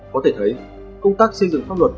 có thể thấy công tác xây dựng pháp luật